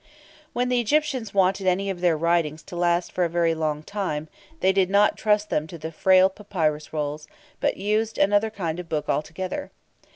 When the Egyptians wanted any of their writings to last for a very long time, they did not trust them to the frail papyrus rolls, but used another kind of book altogether.